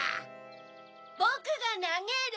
・ボクがなげる！